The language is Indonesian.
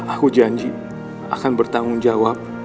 aku janji akan bertanggung jawab